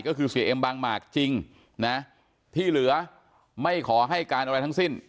ก็คือเสียเอ็มบางหมากจริงนะที่เหลือไม่ขอให้การอะไรทั้งสิ้น